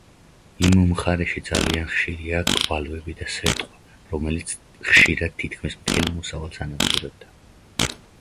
იმ მხარეში ძალიან ხშირია გვალვები და სეტყვა, რომელიც ხშირად თითქმის მთელ მოსავალს ანადგურებდა.